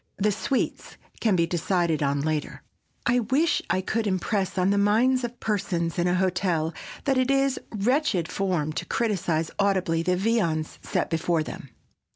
The sweets can be decided on later. I wish I could impress on the minds of persons in a hotel that it is wretched form to criticize audibly the viands set before them.